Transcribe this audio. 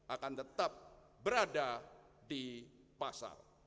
akan tetap berada di pasar